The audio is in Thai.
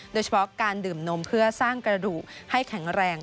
โดยเฉพาะการดื่มนมเพื่อสร้างกระดูกให้แข็งแรง